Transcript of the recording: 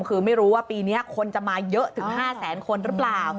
คือไม่รู้ว่าปีนี้คนจะมาเยอะถึง๕แสนคนหรือเปล่า